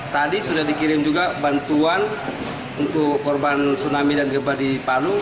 tadi sudah dikirim juga bantuan untuk korban tsunami dan gempa di palu